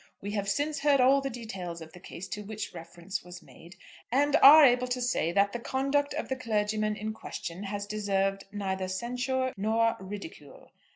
We have since heard all the details of the case to which reference was made, and are able to say that the conduct of the clergyman in question has deserved neither censure nor ridicule.